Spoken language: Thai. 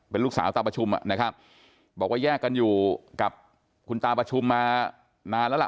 เป็นลูกสาวตาประชุมนะครับบอกว่าแยกกันอยู่กับคุณตาประชุมมานานแล้วล่ะ